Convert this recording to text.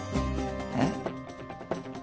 えっ？